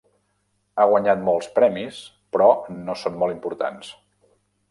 Ha guanyat molts premis però no són molt importants.